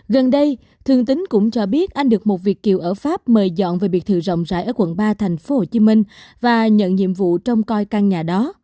gần đây thương tính cũng cho biết anh được một việc kiều ở pháp mời dọn về biệt thự rộng rãi ở quận ba thành phố hồ chí minh và nhận nhiệm vụ trong coi căn nhà đó